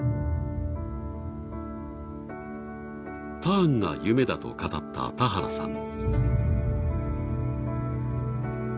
ターンが夢だと語った田原さん。